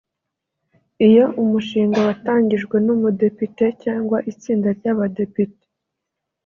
Iyo umushinga watangijwe n’umudepite cyangwa itsinda ry’abadepite